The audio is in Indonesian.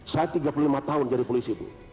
saya tiga puluh lima tahun jadi polisi bu